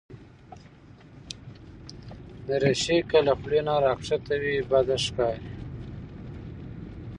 دریشي که له خولې نه راښکته وي، بد ښکاري.